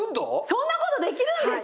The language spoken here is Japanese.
そんなことできるんですか？